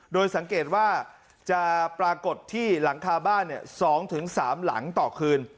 โดยสังเกตว่าจะปรากฏที่หลังคาบ้าน๒๓หลังต่อคืน